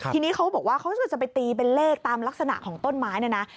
ทีนี้เขาบอกว่าเขาจะไปตีเป็นเลขตามลักษณะของต้นไม้เนี่ยนะ